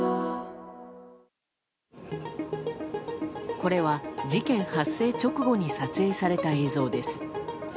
これは事件発生直後に撮影された映像です。